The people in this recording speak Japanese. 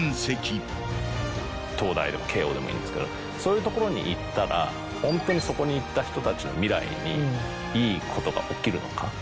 東大でも慶應でもいいんですけどそういうところに行ったらホントにそこに行った人たちの未来にいいことが起きるのか。